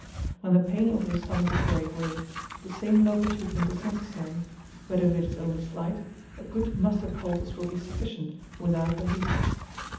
When the pain over the stomach is very great, the same local treatment is necessary; but if it is only slight, a good mustard poultice will be sufficient without the leeches.